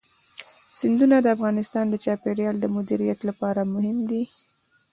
سیندونه د افغانستان د چاپیریال د مدیریت لپاره مهم دي.